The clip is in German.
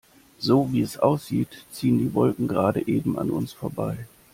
So, wie es aussieht, ziehen die Wolken gerade eben an uns vorbei.